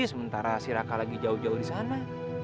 sementara si raka lagi jauh jauh disana